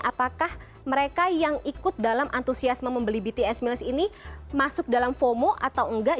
apakah mereka yang ikut dalam antusiasme membeli bts mills ini masuk dalam fomo atau enggak